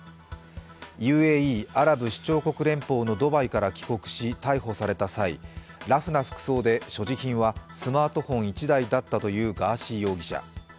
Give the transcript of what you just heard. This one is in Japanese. ＵＡＥ＝アラブ首長国連邦のドバイから帰国し逮捕された際、ラフな服装で所持品はスマートフォン１台だったというガーシー容疑者。